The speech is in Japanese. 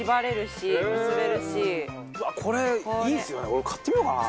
俺も買ってみようかな。